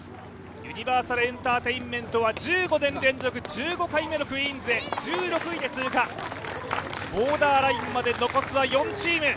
ユニバーサルエンターテインメントは１５年連続、１５回目の「クイーンズ」へ１６位で通過、ボーダーラインまで残すは４チーム。